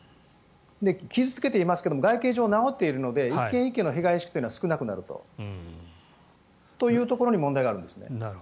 傷付けていますが外形上、直っていますので１件１件の被害意識は少なくなるというところに問題があるんです。